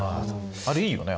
あれいいよね。